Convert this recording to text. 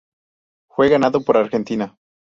Fue ganado por Argentina.